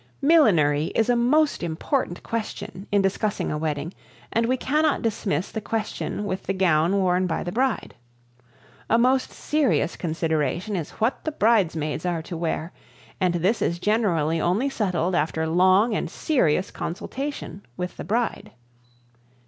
Millinery is a most important question in discussing a wedding, and we cannot dismiss the question with the gown worn by the bride. A most serious consideration is what the bridesmaids are to wear, and this is generally only settled after long and serious consultation with the bride.